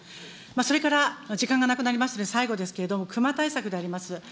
それから、時間がなくなりましたが、最後ですけれども、熊対策であります。